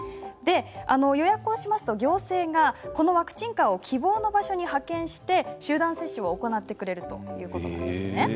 予約をしますと行政がこのワクチンカーを希望の場所に派遣して集団接種を行ってくれるということなんです。